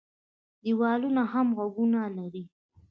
ـ دیوالونه هم غوږونه لري.